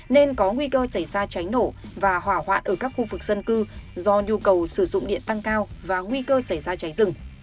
nên có nguy cơ xảy ra cháy nổ và hỏa hoạn ở các khu vực dân cư do nhu cầu sử dụng điện tăng cao và nguy cơ xảy ra cháy rừng